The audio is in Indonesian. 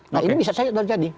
nah ini bisa saja terjadi